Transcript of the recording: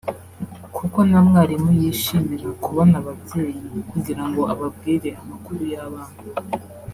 kuko na mwarimu yishimira kubona ababyeyi kugirango ababwire amakuru y’abana